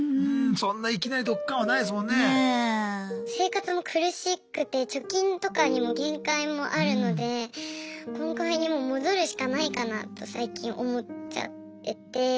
生活も苦しくて貯金とかにも限界もあるのでコンカフェにもう戻るしかないかなと最近思っちゃってて。